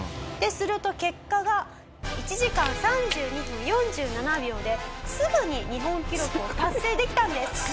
すると結果が１時間３２分４７秒ですぐに日本記録を達成できたんです。